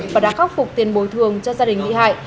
và đã khắc phục tiền bồi thường cho gia đình bị hại